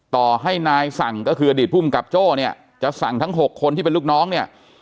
ต่อให้นายสั่งก็คืออดีตภูมิกับโจ้เนี่ยจะสั่งทั้ง๖คนที่เป็นลูกน้องเนี่ย